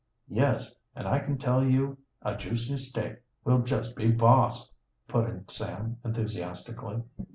"Yes, and I can tell you a juicy steak will just be boss!" put in Sam enthusiastically.